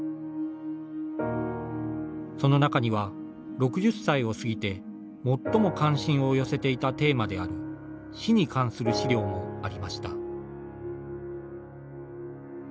その中には、６０歳を過ぎて最も関心を寄せていたテーマである「死」に関する資料もありました。